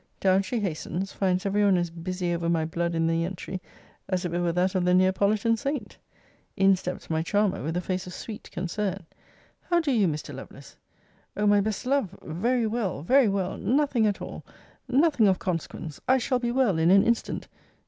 Down she hastens; finds every one as busy over my blood in the entry, as if it were that of the Neapolitan saint. In steps my charmer, with a face of sweet concern. How do you, Mr. Lovelace? O my best love! Very well! Very well! Nothing at all! nothing of consequence! I shall be well in an instant!